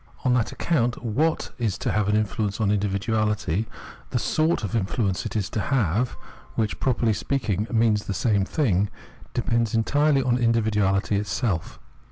On that account what is to have an influence on individuahty, the sort of influence it is to have — which, properly speaking, means the same thing — depends entirely on individuahty itself.